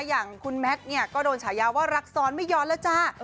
อย่างคุณแมทเนี่ยก็โดนฉายาว่ารักซ้อนไม่ย้อนแล้วจ้า